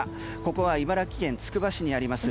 ここは茨城県つくば市にあります